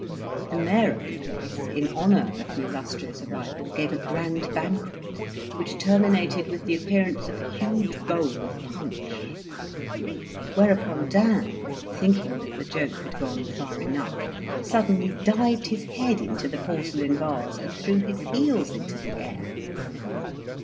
The mayor of the place, in honour of the illustrious arrival, gave a grand banquet, which terminated with the appearance of a huge bowl of punch. Whereupon Dan, thinking that the joke had gone far enough, suddenly dived his head into the porcelain vase, and threw his heels into the air.